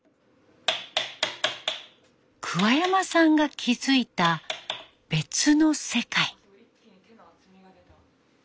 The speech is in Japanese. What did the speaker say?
山さんが気付いた別の世界。